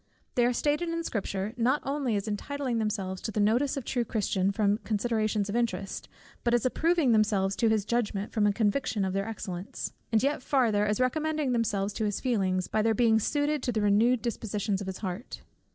They are stated in Scripture, not only as entitling themselves to the notice of the true Christian from considerations of interest, but as approving themselves to his judgment from a conviction of their excellence, and yet farther, as recommending themselves to his feelings, by their being suited to the renewed dispositions of his heart.